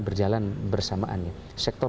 berjalan bersamaannya sektor